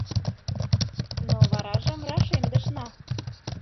Но варажым рашемдышна.